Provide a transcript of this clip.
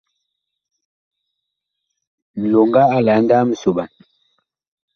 Nloŋga a lɛ a ndaaa misoɓan.